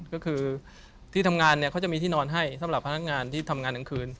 ก็คือที่ทำงานเนี่ยเขาจะมีที่นอนให้สำหรับพนักงานที่ทำงานกลางคืน